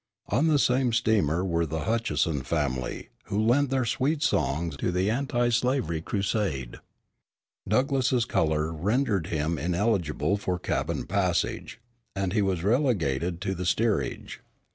On the same steamer were the Hutchinson family, who lent their sweet songs to the anti slavery crusade. Douglass's color rendered him ineligible for cabin passage, and he was relegated to the steerage.